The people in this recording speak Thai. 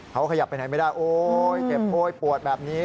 เขาขยับไปไหนไม่ได้โอ๊ยเจ็บโอ๊ยปวดแบบนี้